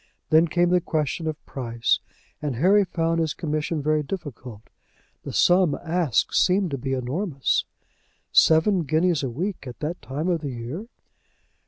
Then came the question of price, and Harry found his commission very difficult. The sum asked seemed to be enormous. "Seven guineas a week at that time of the year!"